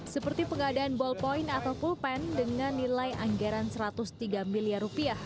seperti pengadaan ballpoint atau pulpen dengan nilai anggaran satu ratus tiga miliar rupiah